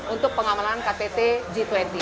untuk pengamalan ktt g dua puluh